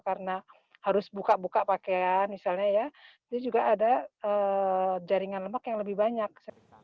karena harus buka buka pakaian misalnya ya jadi juga ada jaringan lemak yang lebih banyak